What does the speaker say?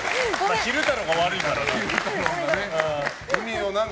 昼太郎が悪いからな。